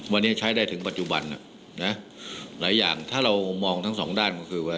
วันนี้ใช้ได้ถึงปัจจุบันน่ะนะหลายอย่างถ้าเรามองทั้งสองด้านก็คือว่า